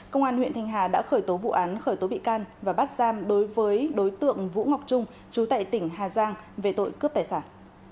công an huyện thanh hà đã khởi tố vụ án khởi tố bị can và bắt giam đối với đối tượng vũ ngọc trung chú tại tỉnh hà giang về tội cướp tài sản